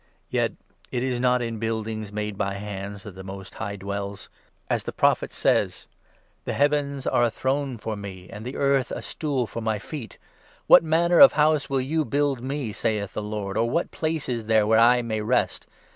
Yet it is not in buildings made by 48 hands that the Most High dwells. As the Prophet says —' The heavens are a throne for me, 49 And the earth a stool for my feet. What manner of House will you build me, saith the Lord, Or what place is there where I may rest